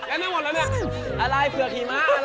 อะไรเผือกหิมะอะไร